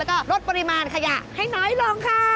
แล้วก็ลดปริมาณขยะให้น้อยลงค่ะ